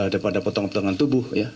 daripada potongan potongan tubuh ya